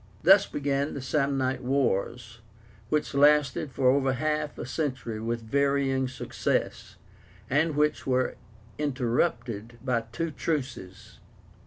Thus began the SAMNITE WARS, which lasted for over half a century with varying success, and which were interrupted by two truces.